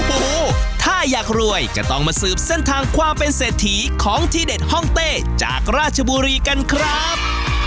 โอ้โหถ้าอยากรวยก็ต้องมาสืบเส้นทางความเป็นเศรษฐีของที่เด็ดห้องเต้จากราชบุรีกันครับ